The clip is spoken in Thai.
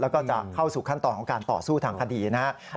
แล้วก็จะเข้าสู่ขั้นตอนของการต่อสู้ทางคดีนะครับ